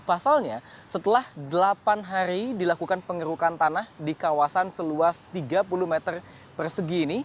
pasalnya setelah delapan hari dilakukan pengerukan tanah di kawasan seluas tiga puluh meter persegi ini